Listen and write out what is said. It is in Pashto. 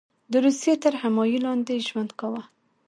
د روسیې تر حمایې لاندې ژوند کاوه.